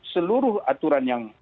seluruh aturan yang